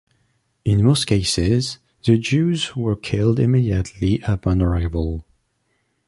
In most cases, the Jews were killed immediately upon arrival.